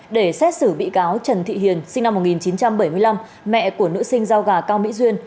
để xét xử bị cáo trần thị hiền sinh năm một nghìn chín trăm bảy mươi năm mẹ của nữ sinh rau gà cao mỹ duyên